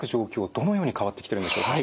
どのように変わってきてるんでしょうか。